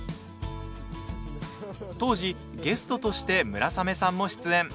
当時、ゲストとして村雨さんも出演。